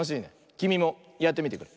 きみもやってみてくれ。